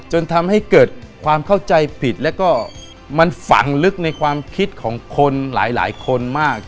จนทำให้เกิดความเข้าใจผิดแล้วก็มันฝังลึกในความคิดของคนหลายคนมาก